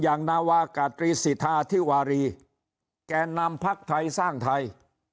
อย่างนาวากก่าลที่สิทธาที่หวาลีแก่นำภักดิ์ไทยสร้างไทย